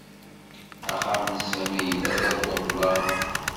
Axxam n Sami yella d abuḍḍlam.